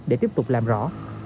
để tiếp tục làm rõ